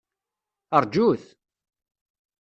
Rǧut!